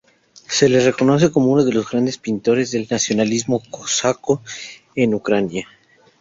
Se le reconoce como uno de los grandes pintores del nacionalismo cosaco en Ucrania.